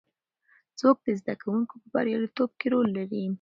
څوک د زده کوونکو په بریالیتوب کې رول لري؟